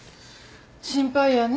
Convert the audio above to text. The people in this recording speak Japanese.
心配やね。